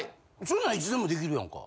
そんなんいつでも出来るやんか。